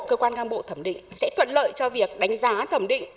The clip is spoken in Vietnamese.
cơ quan ngang bộ thẩm định sẽ thuận lợi cho việc đánh giá thẩm định